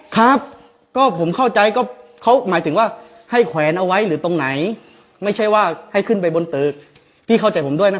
แต่ติ๊กไปเลยนะเมื่อกี้ว่าต้องการที่จะไม่อยากที่จะสัมผัสของ